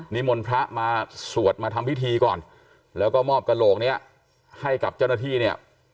นิมนต์พระมาสวดมาทำพิธีก่อนแล้วก็มอบกระโหลกนี้ให้กับเจ้าหน้าที่เนี่ย